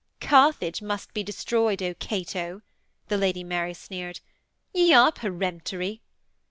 'Carthage must be destroyed, O Cato,' the Lady Mary sneered. 'Ye are peremptory.'